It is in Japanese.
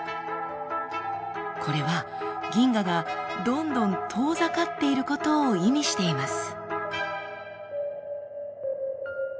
これは銀河がどんどん遠ざかっていることを意味しています。